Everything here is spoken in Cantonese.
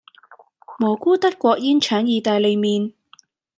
蘑菇德國煙腸義大利麵